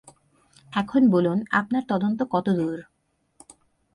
এখন বলুন, আপনার তদন্ত কতদূর?